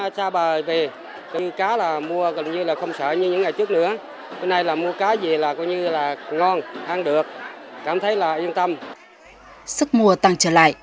sức mua tăng trở lại